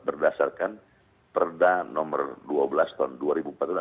berdasarkan perda nomor dua belas tahun dua ribu empat belas